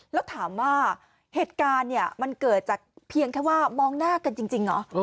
แล้วถามว่าเหตุการณ์เนี่ยมันเกิดจากเพียงแค่ว่ามองหน้ากันจริงเหรอ